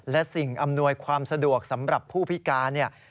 และสิ่งอำนวยความสะดวกสำหรับผู้พิการเนี่ย